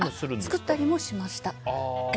作ったりもしました。